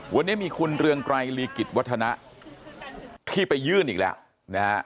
วันนี้มีคุณเรืองไกรลีกิจวัฒนะที่ไปยื่นอีกแล้วนะฮะ